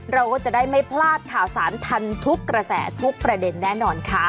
เราก็จะได้ไม่พลาดข่าวสารทันทุกกระแสทุกประเด็นแน่นอนค่ะ